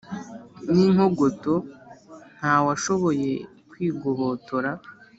N'inkogoto ntawashoboye kwigobotora